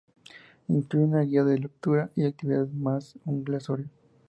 Incluye una guía de lectura y actividades más un glosario.